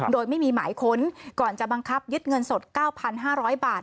โดยไม่มีหมายค้นก่อนจะบังคับยึดเงินสดเก้าพันห้าร้อยบาท